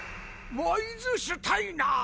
ワイズ・シュタイナー！